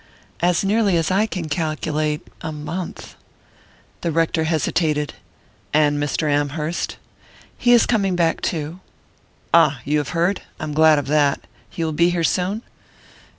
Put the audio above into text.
"As nearly as I can calculate, a month." The rector hesitated. "And Mr. Amherst?" "He is coming back too." "Ah, you have heard? I'm glad of that. He will be here soon?"